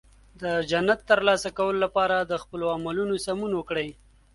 د جنت ترلاسه کولو لپاره د خپل عملونو سمون وکړئ.